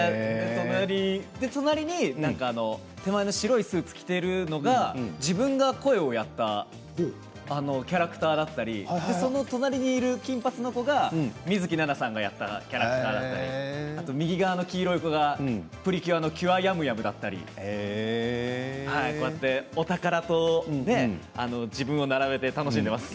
隣に手前の白いスーツを着ているのが自分が声をやったキャラクターだったりその隣にいる金髪の子が水樹奈々さんがやったキャラクターだったり右側の黄色い方が「プリキュア」のキュアヤムヤムだったり自分を並べて楽しんでいます。